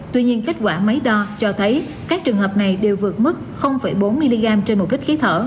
tuy nhiên kết quả máy đo cho thấy các trường hợp này đều vượt mức bốn mg trên một lít khí thở